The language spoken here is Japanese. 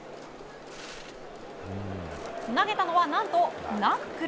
投げたのは何とナックル。